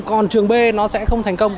còn trường b sẽ không thành công